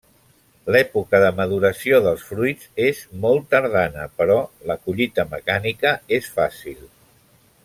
L'època de maduració dels fruits és molt tardana però la collita mecànica és fàcil.